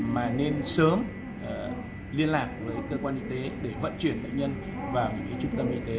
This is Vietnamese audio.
mà nên sớm liên lạc với cơ quan y tế để vận chuyển bệnh nhân vào trung tâm y tế